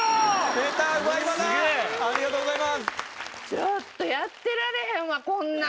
ちょっとやってられへんわこんな。